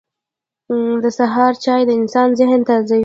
• د سهار چای د انسان ذهن تیزوي.